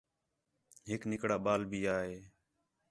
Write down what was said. ہِک نِکڑا ٻال بھی آیا